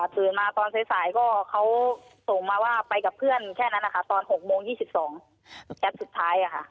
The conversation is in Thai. ตื่นมาตอนสายก็เขาส่งมาว่าไปกับเพื่อนแค่นั้นนะคะตอน๖โมง๒๒แคปสุดท้าย